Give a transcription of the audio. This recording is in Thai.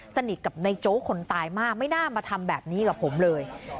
สนิทกับนายโจ๊กคนตายมากไม่น่ามาทำแบบนี้กับผมเลย